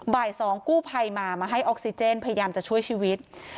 บ่าย๒กู้ภัยมามาให้ออกซิเจนพยายามจะช่วยชีวิต